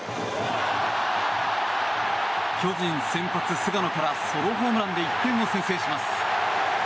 巨人先発、菅野からソロホームランで１点を先制します。